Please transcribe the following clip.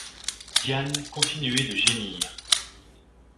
Diane continuait de gémir.